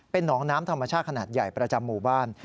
หนองน้ำธรรมชาติขนาดใหญ่ประจำหมู่บ้าน